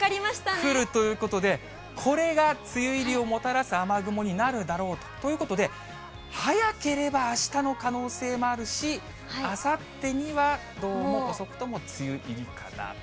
来るということで、これが梅雨入りをもたらす雨雲になるだろうということで、早ければあしたの可能性もあるし、あさってにはどうも遅くとも梅雨入りかなと。